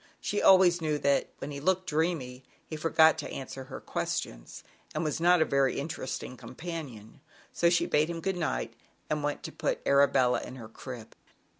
She also knew that when he looked dreamy, he forgot to answer her ques tions, and was not a very interesting companion, so she bade him good night and went in to put Arabella in her crib.